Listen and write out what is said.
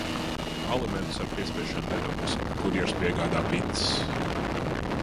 Alimentus ar piespiešanu nedabūsim. Kurjers piegādā picas.